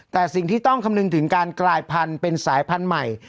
แต่สิ่งที่ต้องคำนึงถึงการกลายพันธุ์เป็นสายพันธุ์ใหม่